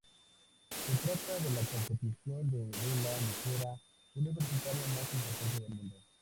Se trata de la competición de vela ligera universitaria más importante del mundo.